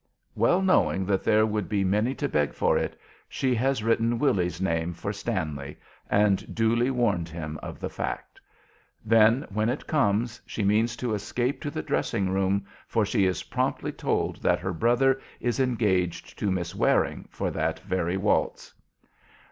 Well knowing that there would be many to beg for it, she has written Willy's name for "Stanley," and duly warned him of the fact. Then, when it comes, she means to escape to the dressing room, for she is promptly told that her brother is engaged to Miss Waring for that very waltz.